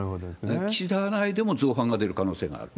岸田派内でも造反が出る可能性がある。